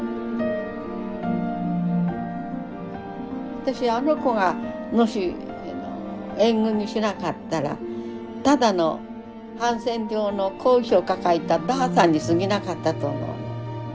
私あの子がもし縁組しなかったらただのハンセン病の後遺症抱えたばあさんにすぎなかったと思うの。